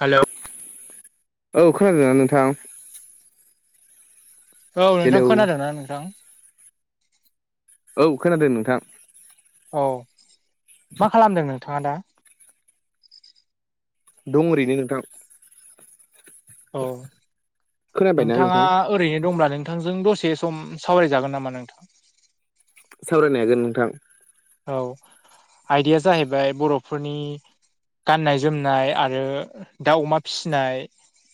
हेल'। औ खोनादोंना नोंथां? औ नोंथां हेलौ खोनादों ना नोंथां? औ खोनादों नोंथां। औ मा खालामदों नोंथाङा दा? दं ओरैनो नोंथां। औ खोनाबायना नोंथाङा नोंथां ओरैनो दंब्ला नों नोंथांजों दसे सम सावरायजागोन नामा नोंथां। सावरायनो हागोन नोंथां। औ आयदाया जाहैबाय बर'फोरनि गाननाय जोमनाय आरो दाउ अमा फिसिनाय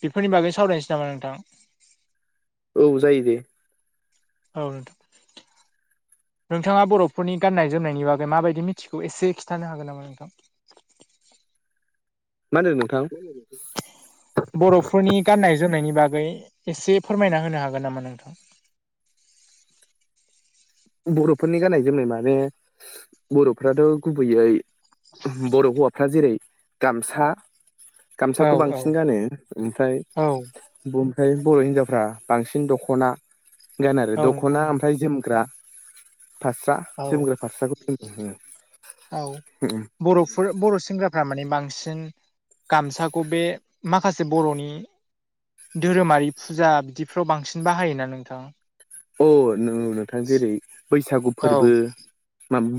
बेफोरनि बागै सावरायनोसै नामा नोंथां। औ जायो दे। औ नोंथां। नोंथाङा बर'फोरनि गाननाय जोमनायनि बागै माबायदि मिथिगौ एसे खिथानो हागोन नामा नोंथां। मा होनदों नोंथां? [unintelligible] बर'फोरनि गाननाय जोमनायनि बागै एसे फोरमायना होनो हागोन नामा नोंथां। बर'फोरनि गाननाय जोमनाय माने बरफ्राथ गुबैयै बर' हौवाफ्रा जेरै गामसा, औ गामसाखौ औ बांसिन गानो ओमफ्राय औ ओमफ्राय बर' हिनजावफ्रा बांसिन दख'ना गानो आरो औ नोंथां दख'ना औ ओमफ्राय जोमग्रा। फास्रा जोमग्रा फास्राखौ जोमनाय औ औ नुनो मोनो। बर'फोर बर' सेंग्राफ्रा माने बांसिन। गामसाखौ बे माखासे बर'नि धोरोमारि फुजा बिदिफ्राव बांसिन बाहायोना नोंथां। अ नोंगौ नोंथां जेरै बैसागु औ फोरबो।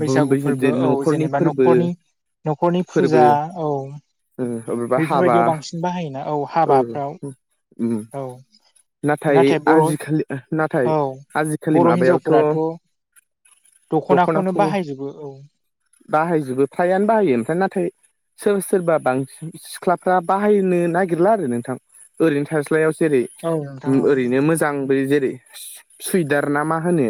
बैसागु फोरबो औ न'खरनि जेनेबा फोरबो। न'खरनि न'खरनि फुजा फोरबो औ। ओ अबेबा हाबा बेफोरबायदियाव बांसिन बाहायोना औ ओ हाबाफ्राव उम औ। नाथाय आजिखालि नाथाय। औ आजिखालि बर' माबायावथ हिनजावफोराथ' दख'नाखौनो दखनाखौ बाहायजोबो औ बाहायजोबो फ्रायानो बाहायो ओमफ्राय नाथाय सोर सोरबा बांसिन सिख्लाफ्रा बाहायनो नागिरला आरो नोंथां। ओरैनो थास्लायाव औ नोंथां जेरै- ओरैनो मोजां जेरै सुइदार ना मा होनो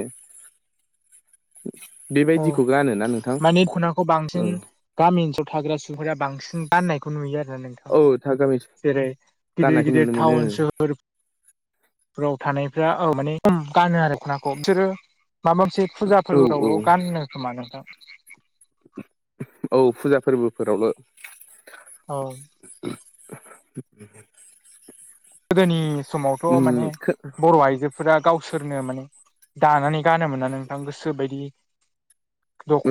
औ बेबायदिखौ गानोना नोंथां। माने दख'नाखौ औ। बांसिन गामि ओनसोलाव थाग्रा सुबुंफोरा बांसिन गाननायखौ नुयो आरोना नोंथां। औ था गामि जेरै गिदिर गाननायखौ गिदिर नुनो मोनो टाउन सोहोर फोराव थानायफ्रा माने खम गानो आरो बिसोरो माबा मोनसे फुजा औ औ फोरबोयावल गानो खोमा नोंथां। औ फुजा फोरबोफोरावल'। औ। [unintelligible] गोदोनि समावथ उम माने बर' आइजो फोरा गावसोरनो माने दानानै गानोमोन ना नोंथां गोसो बायदि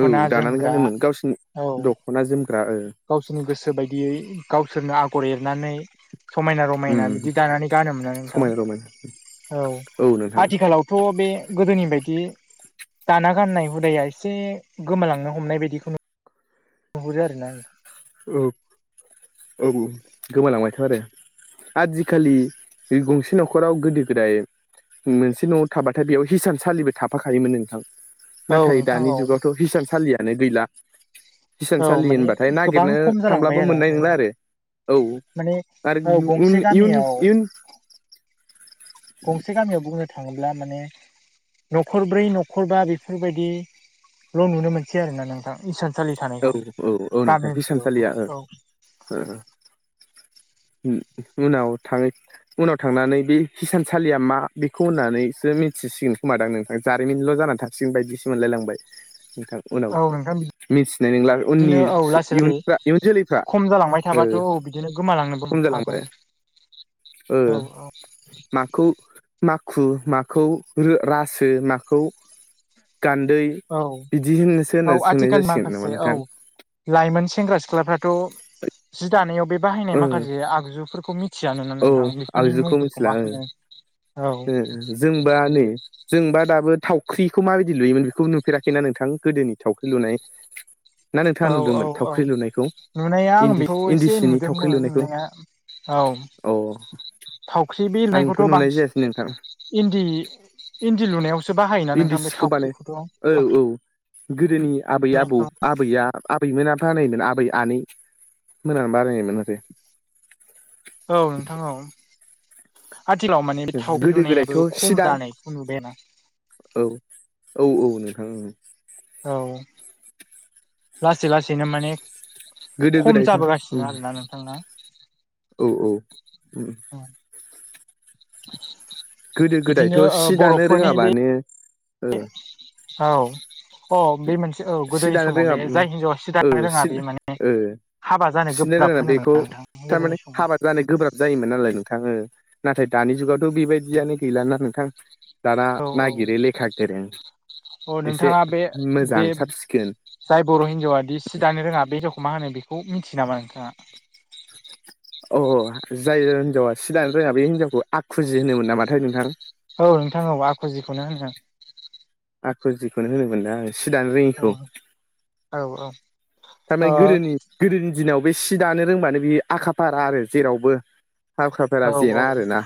औ दानानै जोमग्रा गानोमोन गावसिनि औ दखना जोमग्रा गावसोरनि गोसो बायदियै गावसोरनो आगर एरनानै समायना रमायना बि उम बिदि दानानै गानोमोना नोंथां समायना रमायना औ आथिखालाव थ बे गोदोनि बायदि दाना गाननाय हुदाया एसे गोमालांनो हमनाय बायदिखौ नु नुहरो आरोना नोंथां औ औ औ गोमालांबायथ आरो आजिखालि बे गंसे न'खराव गोदो गोदाय मोनसे न'आव थाबाथाय बेयाव हिसानसालिबो थाफाखायोमोन नोंथां औ नाथाय नोंथां दानि औ जुगावथ हिसानसालियानो गैला औ हिसानसालि माने होनबाथाय नागिर गोबां नो खम जालांबाय थांबाबो मोननाय औ नोला आरो माने औ गंसे [unintelligible] गामियाव इयुन [inaudible] गंसे गामियाव बुंनो थाङोब्ला माने न'खरब्रै न'खरबा बेफोरबायदिल नुनो मोनसै आरोना नोंथां हिसान औ औ औ नोंथां बे हिसान सालिया औ उनाव थाङै उनाव थांनानै बे हिसानसालिया मा बेखौ होननानैसो मिथिसिगोन खोमादां नोंथां जारिमिनल जानानै था सिगोन बायदिसो मोनलायलांबाय नोंथां उनाव औ नोंथां बि मिथिनाय नंला उननि बिदिनो औ लासै लासै इयुनफ्रा इयुन जोलैफ्रा खम जालांबाय ओ थाबाथ औ बिदिनो गोमालांनोबो खम हागौ जालांबाय ओ औ औ माखौ माखु माखौ रासो माखौ गान्दै औ बिदि होननासो औ होनना सोंनाय आथिखालनि जासिगोन माखासे नामा औ नोंथां लाइमोन सेंग्रा सिख्लाफ्राथ जि दानायाव बे बाहायनाय ओ माखासे आगजुफोरखौ मिथि थियानो औ नोंथां बेफोरनि मुंफोरखौ मा होनो औ उ जोंबा नै जोंबा दाबो थावख्रिखौ माबायदि लुयोमोन बेखौबो नुफेराखैना नोंथां गोदोनि थावख्रि लुनाय ना नोंथाङा [inaudible] औ औ नुदोंमोन औ थावख्रि लुनायखौ नुनाया आं इन्दि बेखौ इन्दि एसे सिनि थावख्रि नुदोंमोन लुनायखौ नुनाया औ अ थावख्रि बे आंथ' लुनायखौथ नुनाय बांसिन जायासै नोंथां इन्दि इन्दि लुनायावसो बाहायोना इन्दि नोंथां बे सिखौ बानाय थावख्रिखौथ औ थावख्रि औ गोदोनि आबै आबौ लुनायखौ आब आबैया आबैमोना बानायोमोन आबै आनै मोनानो बानायनायोन आरो औ नोंथां औ आथिखालाव माने बे थावख्रि गोदो गोदायथ' लुनायाबो खम सिदां जानायखौ नुबाय आरोना औ औ औ नोंथां औ औ लासै लासैनो माने गोदो खम गोदायथ' उम जाबोगासिनो आरोना नोंथां ना औ औ उम उ [unintelligible] गोदो बिदिनो गोदायथ' ओ सि दानो बर'फोरनि बे रोङाबानो ओ औ अ बे मोनसे औ सि गोदोनि दानो समाव रोङा बे जाय हिनजावा सिदानो रोङा बे माने हाबा जानो फिसिनो गोब्राब रोङा होनोमोन बेखौ नोंथां गोदोनि थारमाने समाव हाबा जानाय गोब्राब जायोमोन नालाय नोंथां ओ नाथाय दानि जुगावथ' बेबायदियानो औ गैलाना नोंथां दाना औ नागिरो लेखा गोरों औ एसे नोंथाङा बे मोजां बे साब सिखोन जाय बर' हिन्जावा दि सि दानो रोङा बे हिनजावखौ मा होनो बेखौ मिथियो नामा नोंथाङा औ औ जाय हिनजावा सि दानो रोङा बे हिनजावखौ आखुजि होनोमोन नामाथाय नोंथां औ नोंथां औ आखुजिखौनो होनो। आखुजिखौनो होनोमोन ना सि दानो औ रोङिखौ औ औ थारमानि गोदोनि गोदोनि दिनाव बे सि दानो रोंबानो बि आखा फारा आरो जेरावबो हाखा फाखाफोरा औ जेना आरो ना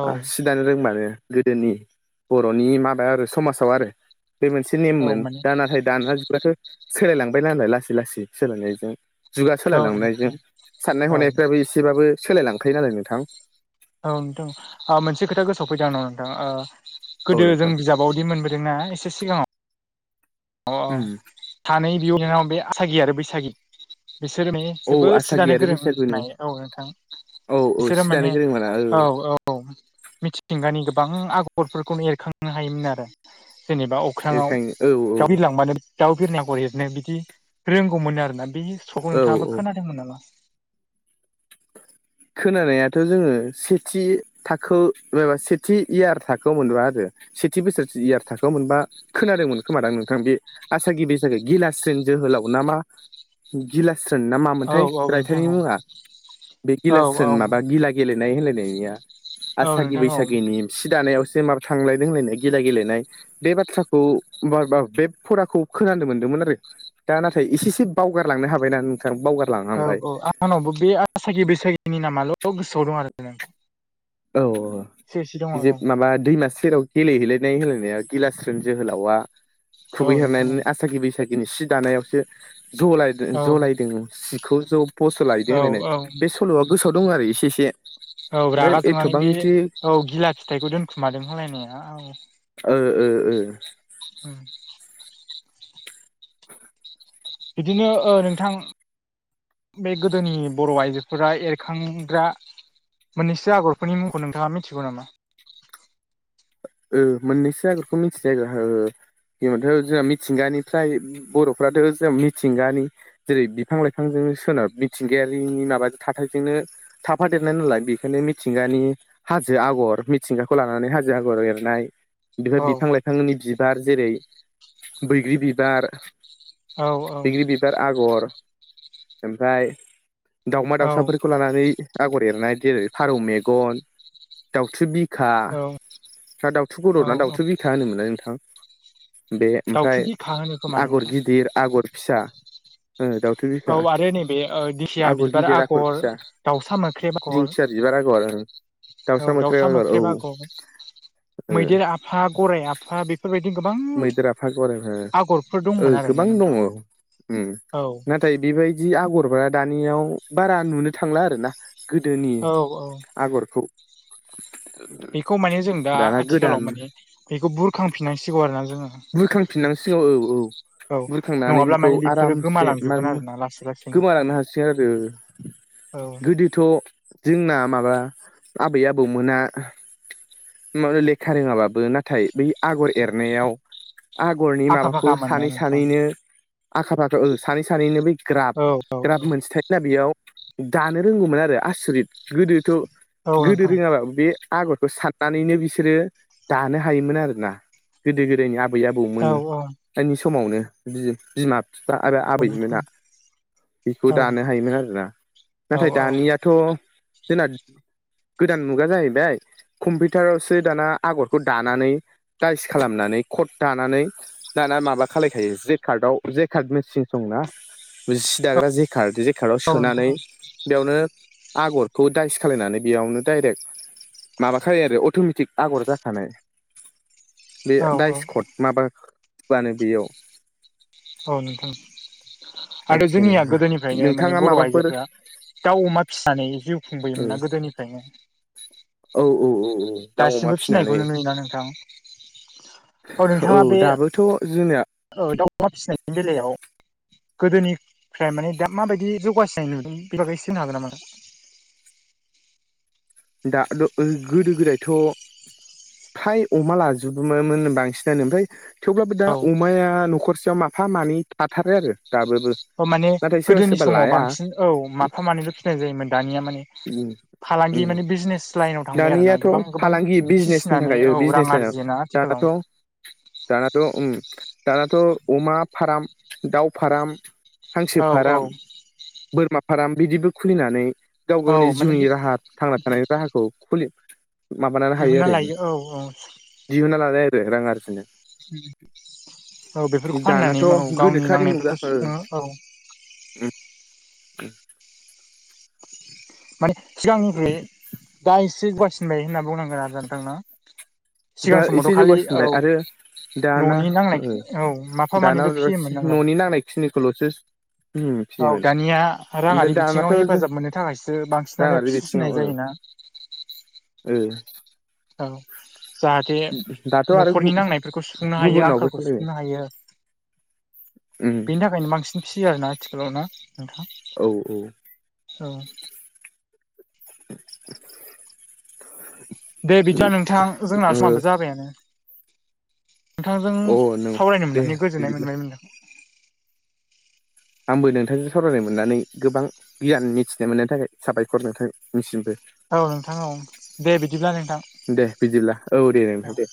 औ ओ सि [unintelligible] दानो रोंबानो गोदोनि बर'नि माबायाव आरो समाजाव आरो बे मोनसे औ नेममोन माने दा नाथाय दाना जुगफ्राथ' सोलायलांबाय नालाय ला [unintelligible] लासै लासै सोलायनायजों जुगा औ सोलायलांनायजों नोंथां साननाय औ हनायफ्राबो ए [unintelligible] एसेबाबो सोलायलांखायो नालाय नोंथां औ नोंथां औ ओ मोनसे खोथा गोसोआव फैदोंं आंनाव नोंथां ओ औ गोदो जों नोंथां बिजाब बावदि मोनबोदोंना एसे सिगाङाव [unintelligible] अ उम अ सानै बिब' बिनानाव बे आसागि आरो बैसागि बिसोरो माने [unintelligible] औ जोबोद सि आसागि दानो आरो गोरों बैसागुनि रोंनाय औ नोंथां औ औ बिसोरो सि दानो माने गोरों मोना औ औ औ मिथिंगानि गोबां आगरफोरखौनो एरखांनो हायोमोन आरो जेनेबा औ एरखांनो [unintelligible] दाउ बिलांबानो दाउ बिरनाय आगर एरनो बिदि रोंगौमोननो आरोना बे [unintelligible] सल'खौ औ नोंथाङाबो खोनादोंमोन नामा? खोनानायाथ' जोङो सेथि थाखो एबा सेथि इयार थाखोआव मोनदोंमोन आरो सेथि बोसोर इयार थाखोआव मोनबा खोनादोंमोन खोमादां नोंथां बे आसागि बैसागि गिलास्रोन जोहोलाव ना मा गिलास्रोन ना औ मामोनथाय औ नोंथां रायथाइनि औ मुङा [inaudible] बे औ गिलासोरोन माबा गिला गेलेनाय होनलायनाया औ आसागि नोंथां औ बैसागिनि सि दानायावसो माब थांलायदों होनलायनाय गिला गेलेनाय बे बाथ्राखौ बा-बा बे फराखौ खोनानो मोनदोंमोन आरो दा नाथाय इसे इसे बावगारलांनो हाबायना नों [unintelligible] औ औ आंनावबो बे आसागि बैसागिनि नामाल' गोसोआव दं आरोना नोंथां औ औ एसे एसे दङ औ बिजे माबा दैमा सेराव गेलेहैलायनाय होनलायनाया गिलास्रोन जोहोलावा औ नोंथां औ खुबैहरनानै आसागि बैसागि गिनि सि दानायावसो जलायदो जलायदों सिखौ ज' [unintelligible] बसलाहैदों औ होनलायनाय औ बे सल'आ गोसोआव दं आरो इसे इसे औ रागा जोंनानै बे औ गिला फिथाइखौ दोनखुमादों होनलायनाया औ ओ ओ ओ [unintelligible] बिदिनो ओ नोंथां बे गोदोनि बर' आइजोफोरा एरखांग्रा मोननैसो आगरफोरनि मुंखौ नोंथाङा मिथिगौ नामा मोननैसो आगरखौ मिथिगौ औ जोंहाथ' जोंहा मिथिंगानि फ्राय बर'फ्राथ' जों मिथिंगानि जेरै बिफां लाइफांजोंनो सोनार मिथिंगायारिनि माबा थाथायजोंनो थाफादेरनाय नालाय बेखायनो मिथिंगानि हाजो आगर मिथिंगाखौ लानानै हाजो आगर एर बेफोर औ बिफां लाइफांनि बिबार जेरै बैग्रि बिबार औ बैग्रि बिबार आगर ओमफ्राय दाउमा औ दाउसाफोर खौ लानानै आगर एरनाय जेरै फारौ मेगन दाउथु बिखा औ फ्रा दाउथु औ खर' ना दाउथु बिखा होनोमोनलाय नोंथां बे दाउथु ओमफ्राय बिखा होनो खोमा आगर नोंथां गिदिर आगर फिसा ओ दाउथुब औ बिखा आरो नैबे ओ दिंखिया आगर बिबार गिदिर आगर फिसा दाउसा मोख्रेब आगर दिंखिया बिबार आगर ओं दाउसा मोख्रेब आगर औ मैदेर आफा गराइ आफा बे बेफोरबायदि गोबां मैदेर आफा आगर ओ आगरफोर ओ दंमोन गोबां आरोना दङ नोंथां उम औ नाथाय बेबायदि आगरबा दानियाव बारा नुनो थांला आरोना गोदोनि औ औ आगरखौ बेखौ माने जों दा दाना गोदान आथिखालाव माने बेखौ बुरखांफिननांसिगौ आरो ना जोङो। बुरखांफिनांसिगौ औ औ औ बुरखांनानै नङाब्ला बेखौ माने बेफोरो आरामसे मा गोमालांजोबगोन आरोना लासै लासैनो गोमालांनो हासि आरो। औ गोदोथ' जोंना माबा आबै आबौमोना मा होनो लेखा रोङाबाबो नाथाय बै आगर एरनायाव आगरनि आखा माबाखौ फाखामोन ना सानै नोंथां सानैनो आखा फाखा सानै सानैनो बै ग्राब औ औ ग्राब मोनसे दा बेयाव दानो रोंगौमोन आरो आसरित गोदोथ' औ गोदो नोंथां रोङाब्ला बे आगरखौ साननानैनो बिसोरो दानो हायोमोन आरोना गोदो गोदायनि आ आबै औ औ आबौमोननि समावनो बि बिमा बिफा आरो औ आबैमोना नोंथां बेखौ औ दानो हायोमोन आरोना। औ नाथाय दानिया औ थ' जोंना गोदान मुगा जाहैबाय कम्पिउटारावसो दाना आगरखौ दानानै टाइस खालामनानै कट दानानै दाना माबा खालायखायो जे कार्डआव जे कार्ड मेसिन दं ना बै सि दाग्रा जे कारड सिकाव सोनानै नोंथां बेयावनो आगरखौ दाइस खालायनानै बेयावनो दडाइरेक्ट माबाखायो आरो अट'मेटिक आगर जाखानाय बे औ औ दाइसकड माबा होब्लानो बेयाव औ नोंथां आरो आथिखालनि जोंनिया गोदोनिफ्रायनो माने नोंथाङा बर' माबाफोर आइजोफोरा दाउ अमा फिसिनानै जिउ खुंबोयोमोन ना गोदोनिफ्रायनो औ औ औ औ दाउ अमा दासिमबो फिसिनानै फिसिनायखौनो नुयोना नोंथां औ नोंथाङा बे दाबोथ' जोंनिया औ दाउ अमा फिसिनायनि बेलायाव गोदोनिफ्राय माने दा माबायदि जौगासिनाय नुदों बेनि बागै एसे बुंनो हागोन नामा दा? दा गोदो गोदायथ' फ्राय अमा लाजोबोमोन बांसिनानो ओमफ्राय थेवब्लाबो दा नामा औ अमाया न'खरसेयाव माफा मानै थाथारो आरो। दाबोबो औ माने नाथाय सोरबा गोदोनि सोरबा समाव लाया बांसिन औ माफा मानैल' फिसिनाय जायोमोन दानिया माने उम फालांगि उम माने बिजनेस लाइनाव थांबाय आरोना दानियाथ' गोबां गोबां फालांगि बिजनेसनि फिसिनानै थाखाय औ रां बिजनेस लाइनाव आरजियोना आथिखालाव दानाथ' दानाथ' उम दानाथ' अमा फार्म दाउ फारम हांसो औ औ फार्म बोरमा फार्म बिदिबो खुलिनानै गाव औ गावनि माने जिउनि राहा थांना थानायनि राहाखौ खुलि माबानानै हायो दिहुनना आरो। लायो औ औ दिहुनना लाबाय आरो रां आरजिनो। औ बेफोरखौ फाननानै दानाथ' औ गावनि गोनोखोयारि नांनायफोरखौ मुगासो सुफुङो औ ए [inaudible] माने सिगांनिख्रुय दा एसे गुवारसिनबाय होनना बुंनांगोन आरोना नोंथां दा सिगां एसे समावथ' खालि औ जौगासिनबाय आरो दाना न'नि नांनाय ओ औ माफा दाना मानैल' फियोमोन नालाय। न'नि नांनाय खिनिखौल'सो उम औ फियोमोन दानिया ओमफ्राय राङारि बिथिङाव दानाथ' हेफाजाब मोननो थाखायसो बांसिनानो राङारि बिथिङाव फिसिनाय ओ जायोना ओ औ जाहाथे दाथ' आरो न'खरनि नांनायफोरखौ सुफुंनो हायो गुबुनावबो आंखालखौ सालायो सुफुंनो हायो। उम बेनि थाखायनो बांसिन फिसियो आरोना आथिखालाव ना नोंथां? औ-औ औ [inaudible] दे बिदिब्ला नोंथां जोंना औ समहाबो जाबायानो नोंथांजों ओ अ नों सावरायनो दे मोननानै गोजोननाय बिदिब्ला मोनबाय मोनदों आंबो नोंथांजों सावरायनो मोननानै गोबां गियान मिथिनो मोननायनि थाखाय साबायखर नोंथांनिसिमबो औ नोंथां औ दे बिदिब्ला नोंथां दे बिदिब्ला औ दे नोंथां दे